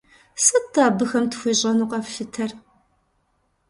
Сыт-тӀэ абыхэм тхуещӀэну къэфлъытэр?